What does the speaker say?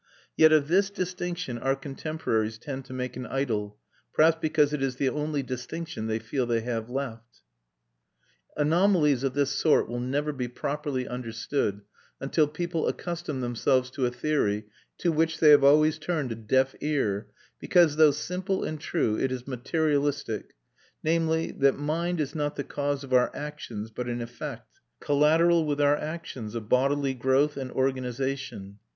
Yet of this distinction our contemporaries tend to make an idol, perhaps because it is the only distinction they feel they have left. Anomalies of this sort will never be properly understood until people accustom themselves to a theory to which they have always turned a deaf ear, because, though simple and true, it is materialistic: namely, that mind is not the cause of our actions but an effect, collateral with our actions, of bodily growth and organisation.